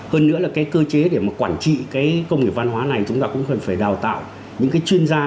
hơn nữa là cái cơ chế để mà quản trị cái công nghiệp văn hóa này chúng ta cũng cần phải đào tạo những cái chuyên gia